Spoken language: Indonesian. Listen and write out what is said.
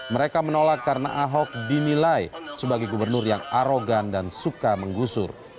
mereka menolak karena ahok dinilai sebagai gubernur yang arogan dan suka menggusur